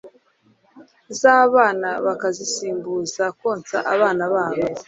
zabana bakazisimbuza konsa abana babo